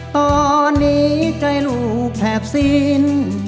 ตอนนี้ใจลูกแทบสิ้น